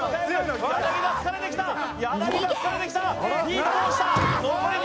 柳田疲れてきた柳田疲れてきたギータどうした？